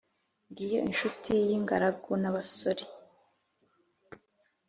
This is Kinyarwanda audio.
ngiyo inshuti y' ingaragu n' abasore,